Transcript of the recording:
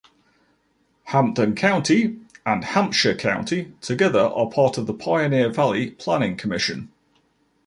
Hampden County and Hampshire County together are part of the Pioneer Valley Planning Commission.